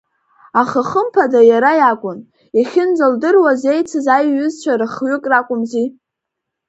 Аха хымԥада иара иакәын, иахьынӡалдыруаз еицыз аиҩызцәа рых-ҩык ракәымзи.